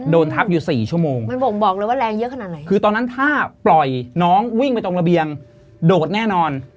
โดนทับอยู่๔ชั่วโมงคือตอนนั้นถ้าปล่อยน้องวิ่งไปตรงระเบียงโดดแน่นอน